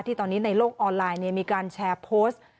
ตอนนี้ในโลกออนไลน์มีการแชร์โพสต์